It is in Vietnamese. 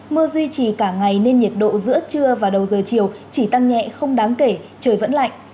mưa duy trì cả ngày nên nhiệt độ giữa trưa và đầu giờ chiều chỉ tăng nhẹ không đáng kể trời vẫn lạnh